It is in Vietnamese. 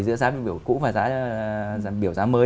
giữa giá biểu cũ và biểu giá mới